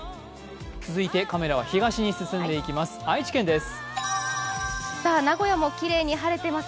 続いてカメラは東に進んでいきます。